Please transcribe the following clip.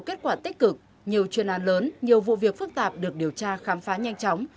kết quả tích cực nhiều chuyên an lớn nhiều vụ việc phức tạp được điều tra khám phá nhanh chóng